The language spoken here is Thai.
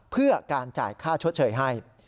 เพื่อการจ่ายค่าชดเชยให้